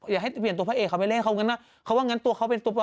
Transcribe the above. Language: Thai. อย่าให้เปลี่ยนตัวพระเอกเขาไปเล่นเขางั้นเขาว่างั้นตัวเขาเป็นตัวเรา